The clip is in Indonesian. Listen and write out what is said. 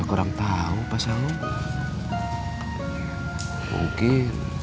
kita belum muhrim